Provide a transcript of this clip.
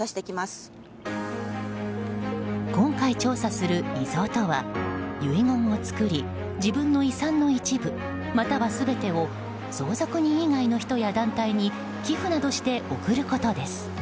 今回、調査する遺贈とは遺言を作り、自分の遺産の一部または全てを相続人以外の人や団体に寄付などして贈ることです。